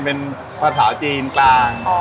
เป็นภาษาจีนต่าง